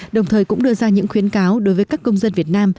đồng thời cũng đưa ra những khuyến cáo đối với các công dân việt nam